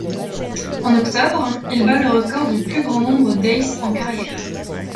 En octobre, il bat le record du plus grand nombre d'aces en carrière.